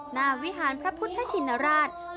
วิหารพระพุทธชินราช